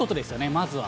まずは。